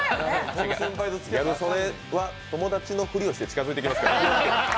ギャル曽根は友達のふりをして近づいてきますからね。